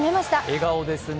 笑顔ですね。